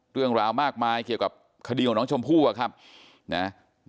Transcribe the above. เรื่องราวมากมายเกี่ยวกับคดีของน้องชมพู่อะครับนะ